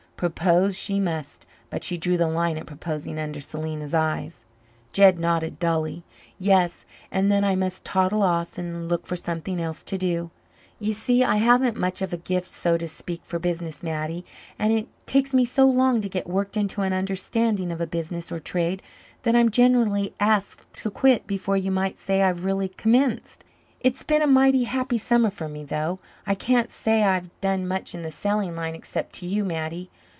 Propose she must, but she drew the line at proposing under Selena's eyes. Jed nodded dully. "Yes, and then I must toddle off and look for something else to do. You see, I haven't much of a gift so to speak for business, Mattie, and it takes me so long to get worked into an understanding of a business or trade that I'm generally asked to quit before you might say I've really commenced. It's been a mighty happy summer for me, though I can't say I've done much in the selling line except to you, Mattie.